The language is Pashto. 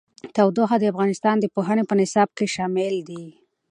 تودوخه د افغانستان د پوهنې په نصاب کې شامل دي.